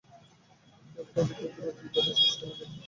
কিন্তু ব্যাপারটা অতি ক্ষুদ্র এবং দুই কথায় শেষ হইয়া যায়।